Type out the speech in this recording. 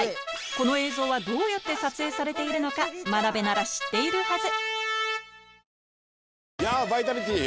この映像はどうやって撮影されているのか真鍋なら知っているはず